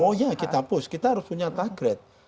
oh ya kita push kita harus punya target